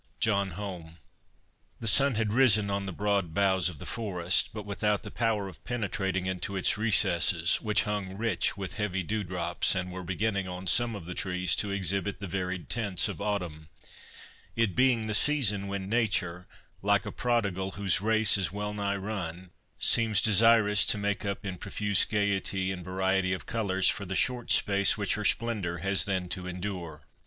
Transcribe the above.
JOHN HOME. The sun had risen on the broad boughs of the forest, but without the power of penetrating into its recesses, which hung rich with heavy dewdrops, and were beginning on some of the trees to exhibit the varied tints of autumn; it being the season when Nature, like a prodigal whose race is well nigh run, seems desirous to make up in profuse gaiety and variety of colours, for the short space which her splendour has then to endure.